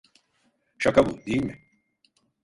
Şaka bu, değil mi?